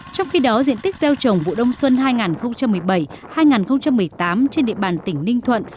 trong khi đó diện tích gieo trồng vụ đông xuân hai nghìn một mươi bảy hai nghìn một mươi tám trên địa bàn tỉnh ninh thuận